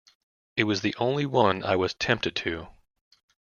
It was the only one I was tempted to ...